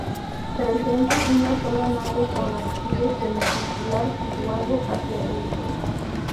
Presenta una sola nave con ábside semicircular situado hacia el este.